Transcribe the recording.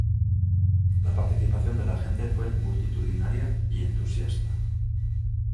La participación de la gente fue multitudinaria y entusiasta.